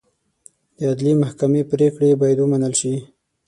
د عدلي محکمې پرېکړې باید ومنل شي.